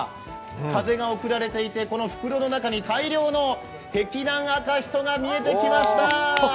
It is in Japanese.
風が送られていて、この袋の中に大量の碧南赤しそが見えてきました。